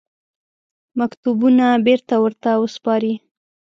مکتوبونه بېرته ورته وسپاري.